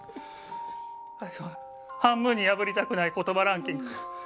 半分に破りたくない言葉ランキング。